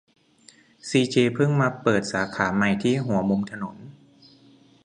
ซีเจเพิ่งมาเปิดสาขาใหม่ที่หัวมุมถนน